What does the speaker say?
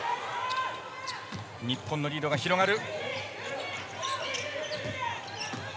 日本のリードが広がる。